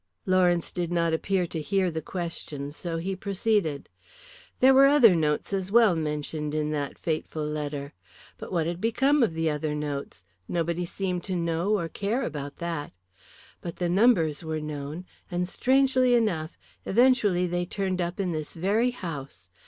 Lawrence did not appear to hear the question, so he proceeded. "There were other notes as well mentioned in that fateful letter. But what had become of the other notes? Nobody seemed to know or care about that. But the numbers were known, and strangely enough, eventually they turned up in this very house.